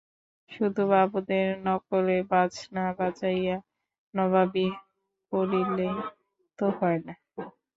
শুধু বাবুদের নকলে বাজনা বাজাইয়া নবাবি করিলেই তো হয় না।